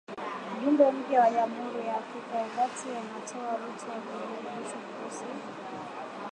Mjumbe mpya wa Jamuhuri ya Afrika ya Kati anatoa wito wa kurekebishwa kikosi cha kulinda amani cha Umoja wa Mataifa